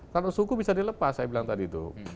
kalau suku bisa dilepas saya bilang tadi tuh